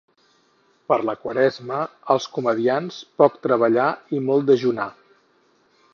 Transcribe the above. Per la Quaresma, els comediants, poc treballar i molt dejunar.